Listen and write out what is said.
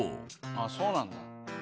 あっそうなんだ。